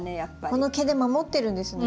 この毛で守ってるんですね。